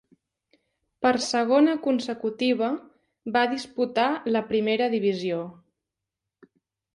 Per segona consecutiva, va disputar la Primera divisió.